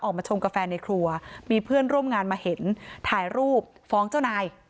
มาชมกาแฟในครัวมีเพื่อนร่วมงานมาเห็นถ่ายรูปฟ้องเจ้านาย